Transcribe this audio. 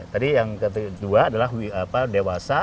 tadi yang kedua adalah dewasa